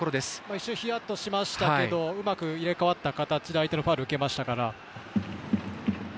一瞬ヒヤッとしましたけどうまく入れ代わった形で相手のファウルを受けました。